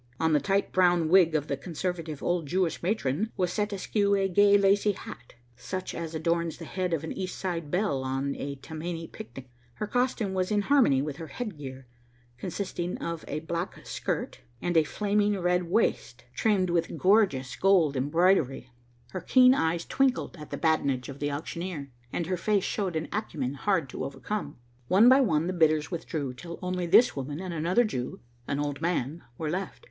On the tight brown wig of the conservative old Jewish matron was set askew a gay lacy hat, such as adorns the head of an East Side belle on a Tammany picnic. Her costume was in harmony with her head gear, consisting of a black skirt, and a flaming red waist trimmed with gorgeous gold embroidery. Her keen eyes twinkled at the badinage of the auctioneer, and her face showed an acumen hard to overcome. One by one the bidders withdrew, till only this woman and another Jew, an old man, were left.